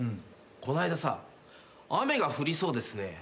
この間さ「雨が降りそうですね」